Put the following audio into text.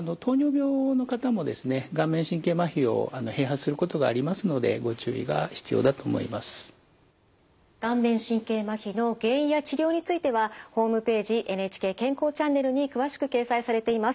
またあの顔面神経まひの原因や治療についてはホームページ「ＮＨＫ健康チャンネル」に詳しく掲載されています。